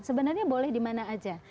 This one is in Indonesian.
sebenarnya boleh dimana aja